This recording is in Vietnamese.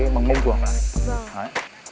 anh đã chuẩn bị xong chưa ạ